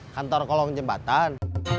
kantor kolong jembatan